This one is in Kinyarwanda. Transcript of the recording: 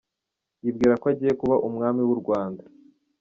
yibwira ko agiye kuba umwami w’u Rwanda.